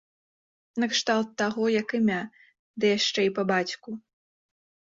Накшталт таго, як імя, ды яшчэ і па бацьку.